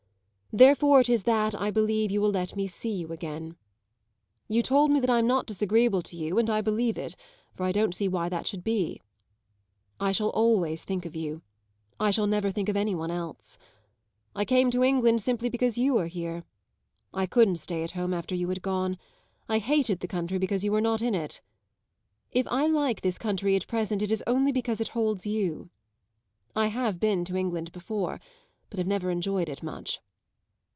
Therefore it is that I believe you will let me see you again. You told me that I'm not disagreeable to you, and I believe it; for I don't see why that should be. I shall always think of you; I shall never think of any one else. I came to England simply because you are here; I couldn't stay at home after you had gone: I hated the country because you were not in it. If I like this country at present it is only because it holds you. I have been to England before, but have never enjoyed it much.